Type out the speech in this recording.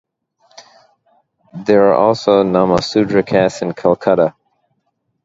There are also namasudra castes in Kolkata.